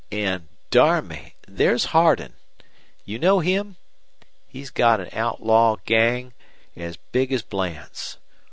An', darn me! there's Hardin. You know him? He's got an outlaw gang as big as Bland's.